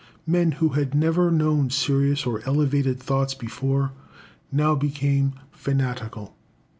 Men who had never known serious or elevated thoughts before, now became fanatical.